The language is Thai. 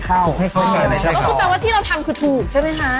ก็คือแปลว่าที่เราทำคือถูกใช่ไหมคะ